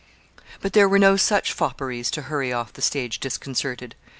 But there were no such fopperies to hurry off the stage disconcerted.